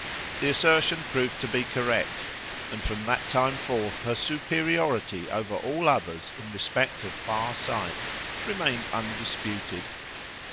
The assertion proved to be correct, and from that time forth her superiority over all others in respect of far sight remained undisputed.